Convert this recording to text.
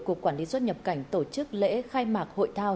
cục quản lý xuất nhập cảnh tổ chức lễ khai mạc hội thao